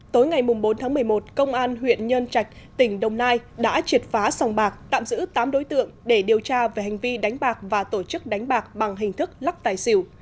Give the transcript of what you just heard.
tối ngày bốn tháng một mươi một công an huyện nhân trạch tỉnh đồng nai đã triệt phá sòng bạc tạm giữ tám đối tượng để điều tra về hành vi đánh bạc và tổ chức đánh bạc bằng hình thức lắc tài xỉu